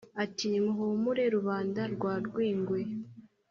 ati : nimuhumure rubanda rwa rwingwe